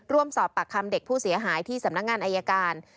ร่วมสอบปากคำเด็กผู้เสียหายที่สำนักงานอายการ